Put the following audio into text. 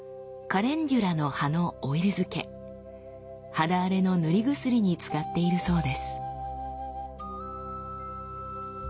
肌荒れの塗り薬に使っているそうです。